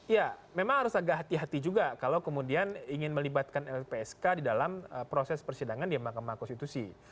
ya memang harus agak hati hati juga kalau kemudian ingin melibatkan lpsk di dalam proses persidangan di mahkamah konstitusi